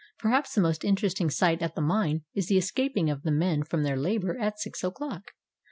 Perhaps the most interesting sight at the mine is the escaping of the men from their labor at six o'clock.